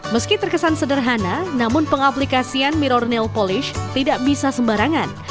meski terkesan sederhana namun pengaplikasian mirrornel polis tidak bisa sembarangan